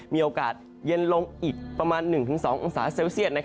มีโอกาสเย็นลงอีกประมาณ๑๒องศาเซลเซียต